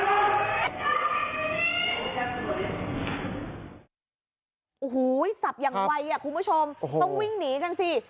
โอ้โหสับอย่างไวอ่ะคุณผู้ชมต้องวิ่งหนีกันสิ